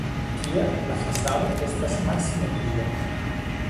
Tial la fasado estas malsimetria.